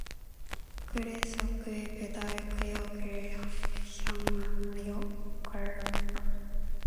그래서 그의 배달 구역을 향하여 걸었다.